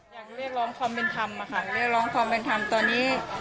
เรียกร้องความเป็นธรรมค่ะเรียกร้องความเป็นธรรมตอนนี้